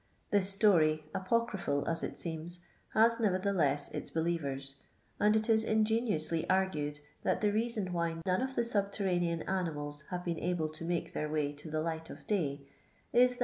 This story, apocryi>hal as it Bccnu, has nevertheli'ss its believers, and it is ingeniouAly arguedf that the reaaon why uoiit: of the subterra nean animals have been able to make their way to the light of day i«i that.